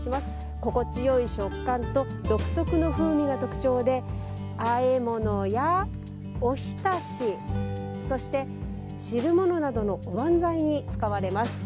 心地よい食感と独特の風味が特徴であえ物やおひたしそして、汁ものなどのおばんざいに使われます。